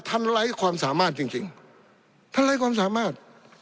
ไร้ความสามารถจริงจริงท่านไร้ความสามารถ